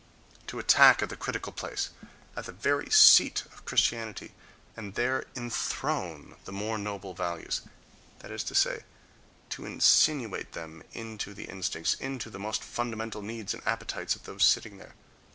To attack at the critical place, at the very seat of Christianity, and there enthrone the more noble values—that is to say, to insinuate them into the instincts, into the most fundamental needs and appetites of those sitting there....